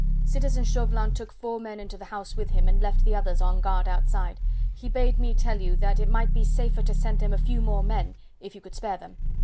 Citizen Chauvelin took four men into the house with him and left the others on guard outside. He bade me tell you that it might be safer to send him a few more men if you could spare them.